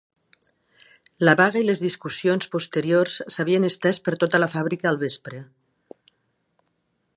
La vaga i les discussions posteriors s'havien estès per tota la fàbrica al vespre.